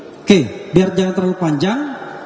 oke biar jangan terlalu panjang